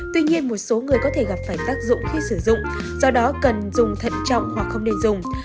tuy nhiên một số người có thể gặp phải tác dụng khi sử dụng do đó cần dùng thận trọng hoặc không nên dùng